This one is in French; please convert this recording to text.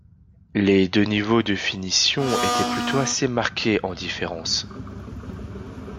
Les deux niveaux de finition étaient plutôt assez marqués en différences.